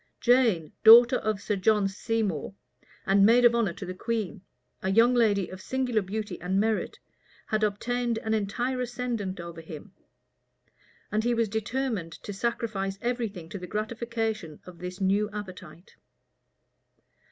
Jane, daughter of Sir John Seymour, and maid of honor to the queen, a young lady of singular beauty and merit, had obtained an entire ascendant over him; and he was determined to sacrifice every thing to the gratification of this new appetite.